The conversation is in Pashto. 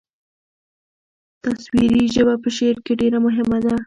تصویري ژبه په شعر کې ډېره مهمه ده.